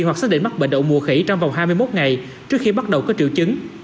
hoặc xác định mắc bệnh đậu mùa khỉ trong vòng hai mươi một ngày trước khi bắt đầu có triệu chứng